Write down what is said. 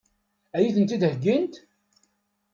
Ad iyi-tent-id-heggint?